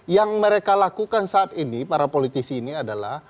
yang mereka lakukan saat ini para politisi ini adalah